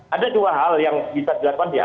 ada dua hal yang bisa dilakukan ya